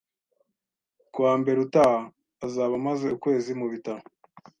Ku wa mbere utaha, azaba amaze ukwezi mu bitaro.